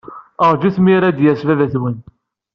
Ṛjut mi ara d-yas baba-twen.